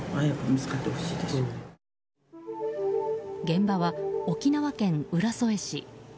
現場は沖縄県浦添市。